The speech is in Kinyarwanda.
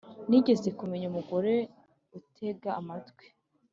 nigeze kumenya umugore utega amatwi